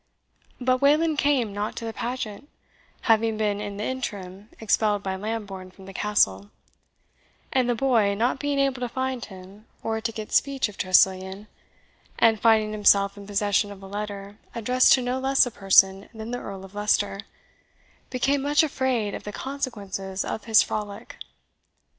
But Wayland came not to the pageant, having been in the interim expelled by Lambourne from the Castle; and the boy, not being able to find him, or to get speech of Tressilian, and finding himself in possession of a letter addressed to no less a person than the Earl of Leicester, became much afraid of the consequences of his frolic.